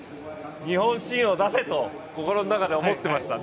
日本新を出せと心の中で思っていました。